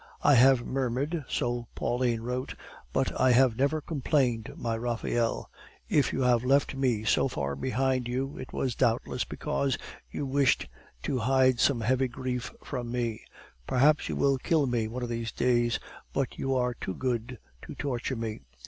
"I have murmured," so Pauline wrote, "but I have never complained, my Raphael! If you have left me so far behind you, it was doubtless because you wished to hide some heavy grief from me. Perhaps you will kill me one of these days, but you are too good to torture me.